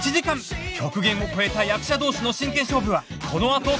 極限を超えた役者同士の真剣勝負はこのあとすぐ！